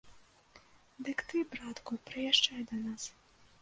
Дык ты, братку, прыязджай да нас.